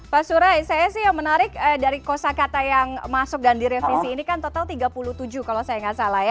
pak surai saya sih yang menarik dari kosa kata yang masuk dan direvisi ini kan total tiga puluh tujuh kalau saya nggak salah ya